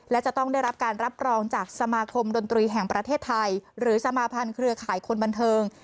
และจะต้องได้รับการรับรองจากสมาคมดนตรีแห่งประเทศไทยหรือสมาภัณฑ์เครือข่ายคนบันเทิง